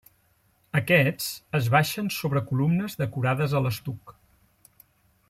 Aquests es baixen sobre columnes decorades a l'estuc.